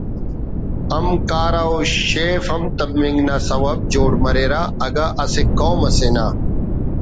ہم کارہ و شیف ہم تمنگ نا سوب جوڑ مریرہ اگہ اسہ قوم اسے نا